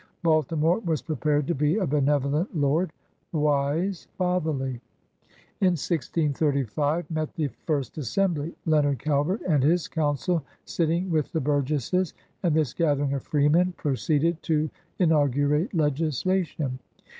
Baltimore was prepared to be a benevo lent lord, wise, fatherly. In 1635 met the first Assembly, Leonard Calvert and his Coimcil sitting with the burgesses, and this gathering of freemen proceeded to inaugu rate legislation.